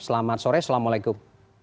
selamat sore assalamualaikum